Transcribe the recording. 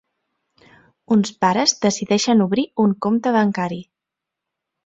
Uns pares decideixen obrir un compte bancari.